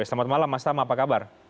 selamat malam mas tama apa kabar